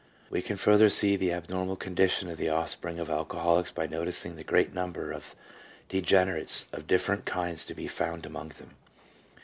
We can further see the abnormal condition of the offspring of alcoholics by noticing the great number of degenerates of different kinds to be found among them.